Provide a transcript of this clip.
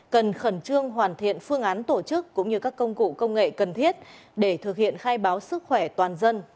cần khẩn trương hoàn thiện phương án tổ chức cũng như các công cụ công nghệ cần thiết để thực hiện khai báo sức khỏe toàn dân